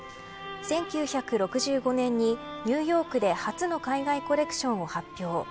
１９６５年にニューヨークで初の海外コレクションを発表。